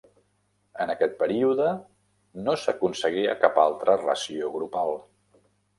En aquest període no s'aconseguia cap altra ració grupal.